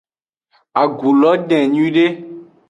Agu lo den nyuiede.